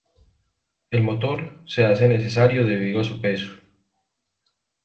El motor se hace necesario debido a su peso.